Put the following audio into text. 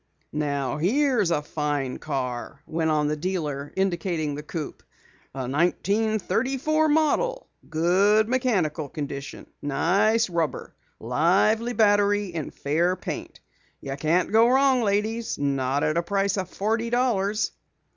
"Now here is a fine car," went on the dealer, indicating the coupe. "A 1934 model good mechanical condition; nice rubber; a lively battery and fair paint. You can't go wrong, ladies, not at a price of forty dollars."